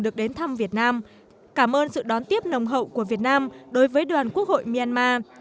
được đến thăm việt nam cảm ơn sự đón tiếp nồng hậu của việt nam đối với đoàn quốc hội myanmar